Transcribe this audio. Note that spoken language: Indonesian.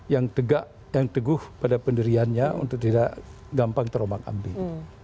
yang tegak yang teguh pada pendiriannya untuk tidak gampang teromak ambil